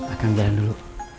akan jalan dulu